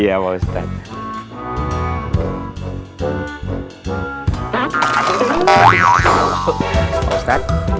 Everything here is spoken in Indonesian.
aku ada yakin